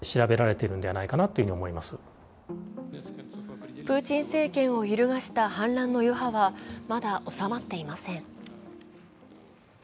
専門家はプーチン政権を揺るがした反乱の余波はまだ収まっていません。